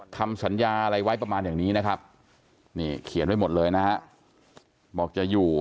คำสัญญาอะไรไว้ประมาณอย่างนี้นะครับนี่เขียนไว้หมดเลยนะฮะบอกจะอยู่